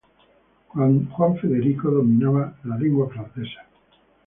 Juan Federico dominaba la lengua francesa.